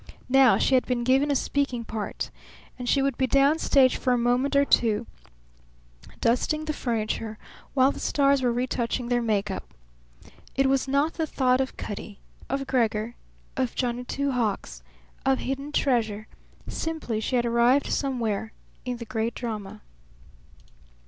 Now she had been given a speaking part; and she would be down stage for a moment or two dusting the furniture while the stars were retouching their make up. It was not the thought of Cutty, of Gregor, of Johnny Two Hawks, of hidden treasure; simply she had arrived somewhere in the great drama.